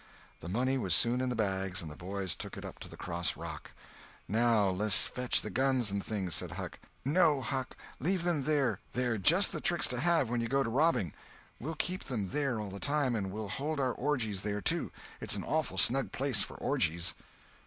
The money was soon in the bags and the boys took it up to the cross rock. "Now less fetch the guns and things," said Huck. "No, Huck—leave them there. They're just the tricks to have when we go to robbing. We'll keep them there all the time, and we'll hold our orgies there, too. It's an awful snug place for orgies."